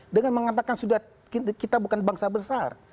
dengan mengatakan sudah kita bukan bangsa besar